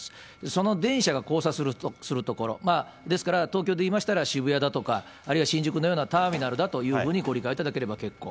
その電車が交差する所、ですから、東京でいいましたら、渋谷だとか、あるいは新宿のようなターミナルだというふうにご理解いただければ結構。